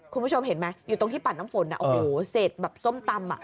คุณผู้ชมเห็นไหมอยู่ตรงที่ปั่นน้ำฝนโอ้โหเศษแบบส้มตำอ่ะ